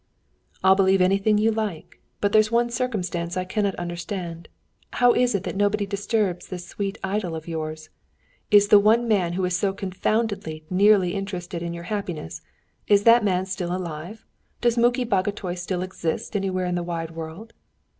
"I'll believe anything you like, but there's one circumstance I cannot understand. How is it that nobody disturbs this sweet idyll of yours? Is the one man who is so confoundedly nearly interested in your happiness, is that man still alive? Does Muki Bagotay still exist anywhere in the wide world?"